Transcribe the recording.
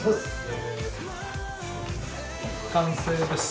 完成です。